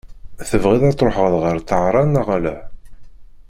Tebɣiḍ ad truḥeḍ ɣer Tahran neɣ ala?